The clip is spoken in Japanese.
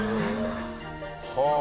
はあ。